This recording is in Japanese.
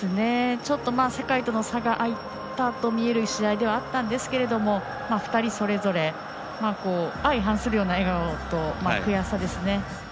ちょっと、世界との差が開いたとみる試合ではあったんですが２人それぞれ相反するような笑顔と悔しさですね。